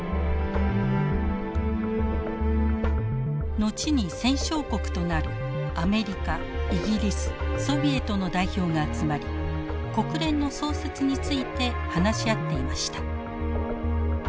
後に戦勝国となるアメリカイギリスソビエトの代表が集まり国連の創設について話し合っていました。